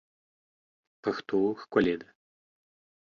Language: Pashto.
پښتو ښکلې ده